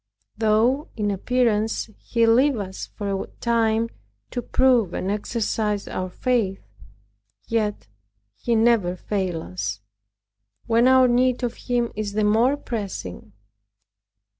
Though in appearance He leaves us for a time to prove and exercise our faith, yet He never fails us, when our need of Him is the more pressing.